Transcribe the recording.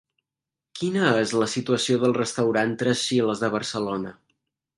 Quina és la situació del restaurant Tres Chiles de Barcelona?